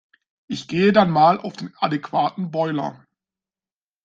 Ich gehe dann mal auf den adäquaten Boiler.